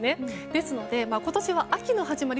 ですので、今年は秋の始まり